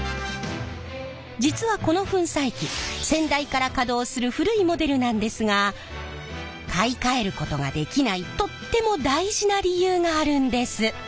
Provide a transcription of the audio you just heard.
実はこの粉砕機先代から稼働する古いモデルなんですが買い替えることができないとっても大事な理由があるんです！